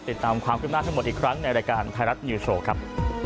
ติดตามความขึ้นหน้าทั้งหมดอีกครั้งในรายการไทยรัฐนิวโชว์ครับ